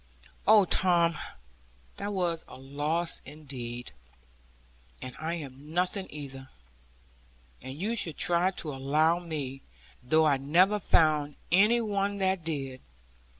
'Oh, Tom, that was a loss indeed. And I am nothing either. And you should try to allow for me; though I never found any one that did.'